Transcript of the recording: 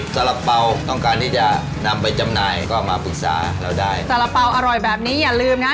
สาระเปาอร่อยแบบนี้อย่าลืมนะ